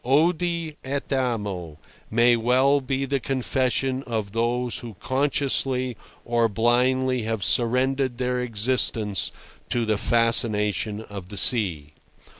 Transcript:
Odi et amo may well be the confession of those who consciously or blindly have surrendered their existence to the fascination of the sea.